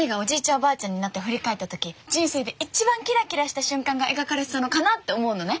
おばあちゃんになって振り返った時人生で一番キラキラした瞬間が描かれてたのかなって思うのね。